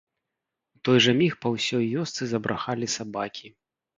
У той жа міг па ўсёй вёсцы забрахалі сабакі.